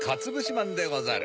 まんでござる！